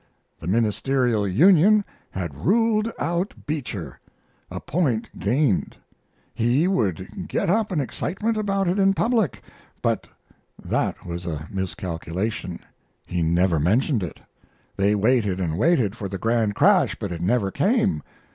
The Ministerial Union had ruled out Beecher a point gained. He would get up an excitement about it in public. But that was a miscalculation. He never mentioned it. They waited and waited for the grand crash, but it never came.